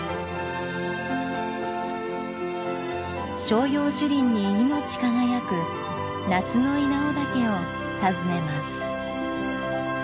照葉樹林に命輝く夏の稲尾岳を訪ねます。